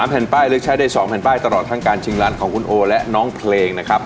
แผ่นป้ายเลือกใช้ได้๒แผ่นป้ายตลอดทั้งการชิงล้านของคุณโอและน้องเพลงนะครับ